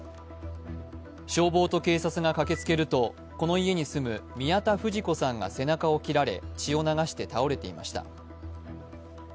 消防と警察が駆けつけると、この家に住む宮田富士子さんが背中を切られ血を流して倒れていました。